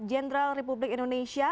jenderal republik indonesia